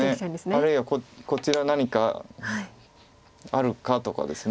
あるいはこちら何かあるかとかです。